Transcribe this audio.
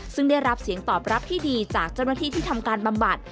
ซึ่งได้รับเสียงตอบรับที่ดีจากเจ้าหน้าที่ที่ทำการบำบัด